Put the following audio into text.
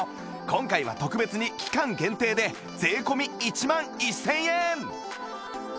今回は特別に期間限定で税込１万１０００円